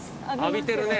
浴びてるね。